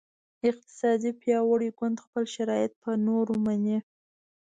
اقتصادي پیاوړی ګوند خپل شرایط په نورو مني